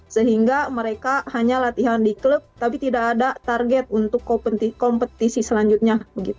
sehingga mereka hanya latihan di klub tapi tidak ada target untuk kompetisi selanjutnya